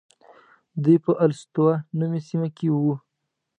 دوی په السطوة نومې سیمه کې وو.